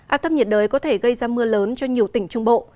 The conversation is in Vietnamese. áp thấp nhiệt đới có thể gây ra mưa lớn cho nhiều tỉnh trung bộ